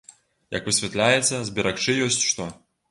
Як высвятляецца, зберагчы ёсць што.